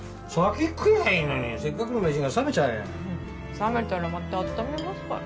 冷めたらまた温めますから。